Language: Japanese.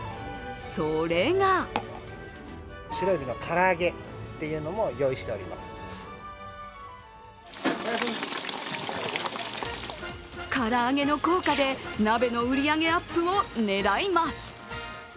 それが唐揚げの効果で、鍋の売り上げアップを狙います。